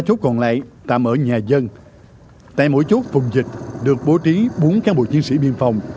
chốt còn lại tạm ở nhà dân tại mỗi chốt vùng dịch được bố trí bốn cán bộ chiến sĩ biên phòng